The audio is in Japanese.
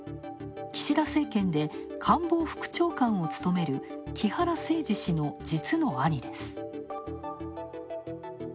岸田政権で官房副長官を務める木原誠二氏の実の兄です。